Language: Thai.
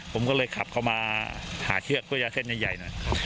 ผมก็เลยขับเข้ามาหาเชือกเพื่อยาเส้นใหญ่หน่อย